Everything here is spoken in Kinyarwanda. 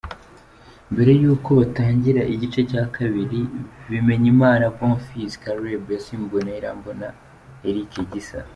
Mbere yuko batangira igice cya kabiri, Bimenyimana Bonfils Caleb yasimbuwe na Irambona Eric Gisa.